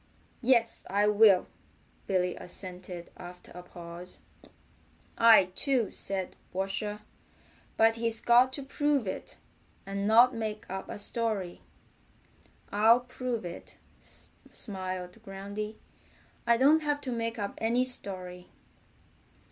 "Yes, I will," Billy assented after a pause. "I too," said Washer, "but he's got to prove it, and not make up a story." "I'll prove it," smiled Groundy. "I don't have to make up any story.